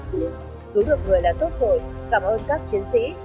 cứu được người là tốt rồi cảm ơn các chiến sĩ